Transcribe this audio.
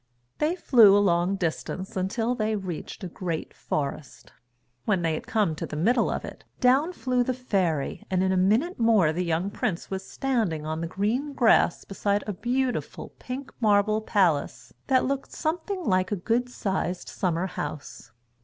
They flew a long distance, until they reached a great forest. When they had come to the middle of it, down flew the fairy, and in a minute more the young prince was standing on the green grass beside a beautiful pink marble palace that looked something like a good sized summer house.